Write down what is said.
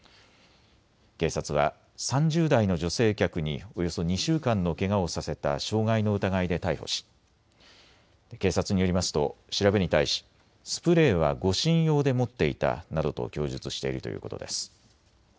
警察は３０代の女性客におよそ２週間のけがをさせた傷害の疑いで逮捕し警察によりますと調べに対しスプレーは護身用で持っていたなどと供述しているということです。